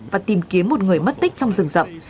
và tìm kiếm một người mất tích trong rừng rậm